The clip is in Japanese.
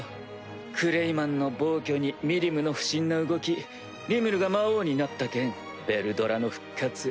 クレイマンの暴挙にミリムの不審な動きリムルが魔王になった件ヴェルドラの復活。